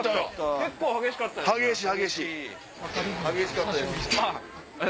結構激しかったですね。